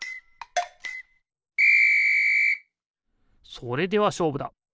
それではしょうぶだ。